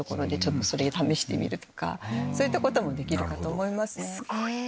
そういったこともできるかと思います。